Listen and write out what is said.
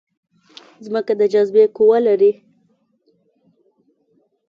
ځمکه د جاذبې قوه لري